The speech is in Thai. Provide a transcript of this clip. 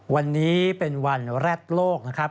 วันนี้เป็นวันแรกโลกนะครับ